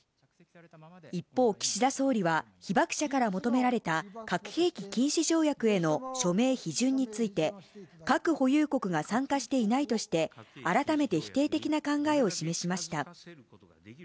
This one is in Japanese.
一方、岸田総理は、被爆者から求められた核兵器禁止条約への署名・批准について、核保有国が参加していないとして、改めて否定的な考えを示しました。